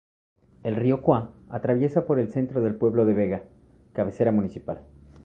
El río Cúa atraviesa por el centro del pueblo de Vega, cabecera municipal.